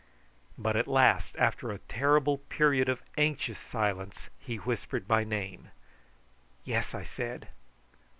But at last, after a terrible period of anxious silence, he whispered my name. "Yes," I said.